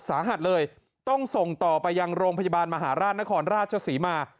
สาหัสเลยต้องส่งต่อไปยังโรงพยาบาลมหาราชนครราชศรีมา